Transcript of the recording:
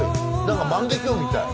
何か万華鏡みたい。